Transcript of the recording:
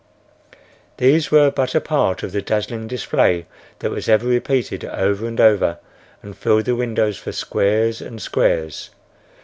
These were but a part of the dazzling display that was ever repeated over and over and filled the windows for squares and squares.